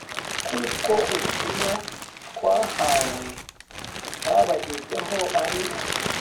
kuko ubutumwa twahawe butabagezeho ari